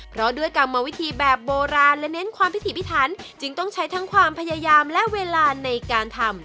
เพราะด้วยกรรมวิธีแบบโบราณและเน้นความพิถีพิถันจึงต้องใช้ทั้งความพยายามและเวลาในการทำ